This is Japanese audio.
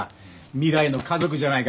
未来の家族じゃないか。